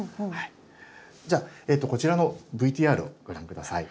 じゃあこちらのＶＴＲをご覧下さい。